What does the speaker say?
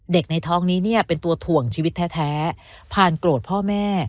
ในท้องนี้เนี่ยเป็นตัวถ่วงชีวิตแท้ผ่านโกรธพ่อแม่